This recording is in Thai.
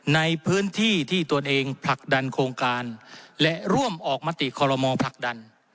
ในพื้นที่ที่ตนเองผลักดันโครงการและร่วมออกมติคอลโลมอผลักดัน